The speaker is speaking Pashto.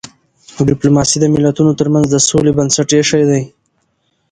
ډيپلوماسي د ملتونو ترمنځ د سولي بنسټ ایښی دی.